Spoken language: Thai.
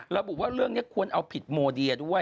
ระบุว่าเรื่องนี้ควรเอาผิดโมเดียด้วย